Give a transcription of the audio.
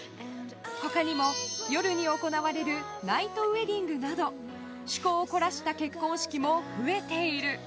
他にも夜に行われるナイトウェディングなど趣向を凝らした結婚式も増えている。